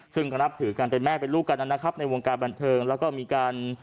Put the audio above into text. ซึ่งก็นับถือกันเป็นแม่เป็นลูกกันนะครับในวงการบันเทิงแล้วก็มีการ